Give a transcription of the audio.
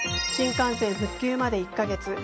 新幹線復旧まで１か月。